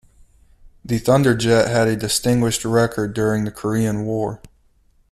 The Thunderjet had a distinguished record during the Korean War.